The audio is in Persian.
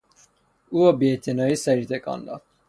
او با بیاعتنایی سری تکان داد.